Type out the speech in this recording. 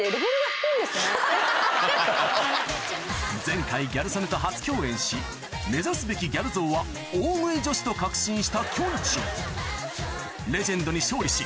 前回ギャル曽根と初共演し目指すべきギャル像は大食い女子と確信したきょんちぃレジェンドに勝利し